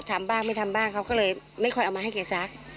ทำบ้างไม่ทำบ้างเขาก็เลยไม่ค่อยเอามาให้แกซัก